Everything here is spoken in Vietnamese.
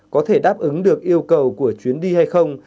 có thể đáp ứng được yêu cầu của chuyến đi hay không